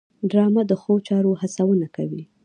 ډرامه د ښو چارو هڅونه کوي